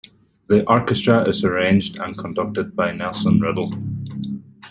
The orchestra is arranged and conducted by Nelson Riddle.